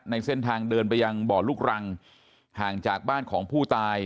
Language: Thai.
ในเส้นทางเดินไปยังบ่อลูกรังห่างจากบ้านของผู้ตาย